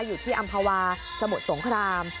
อยู่ที่อำภาวาสมุทรสงคราม